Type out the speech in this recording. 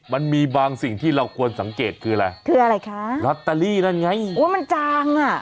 มันมีบางสิ่งที่เราควรสังเกตคืออะไรลตตาลี่ครับว่ามันจางน่ะ